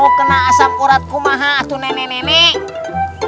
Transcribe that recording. mau kena asam uratku mahal tuh nenek nenek